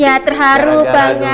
ya terharu banget